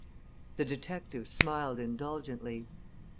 The detectives smiled indulgently.